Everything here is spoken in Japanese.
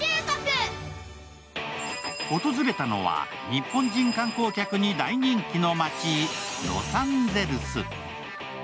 訪れたのは日本人観光客に大人気の街、ロサンゼルス。